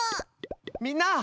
みんな！